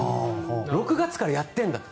６月からやってるんだと。